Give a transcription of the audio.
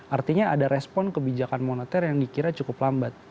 artinya ada respon kebijakan moneter yang dikira cukup lambat